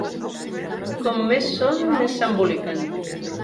Com més són més s'emboliquen.